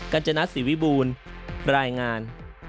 กัจจนัดสิวิบูลรายงาน